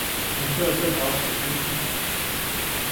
從這這條史書記載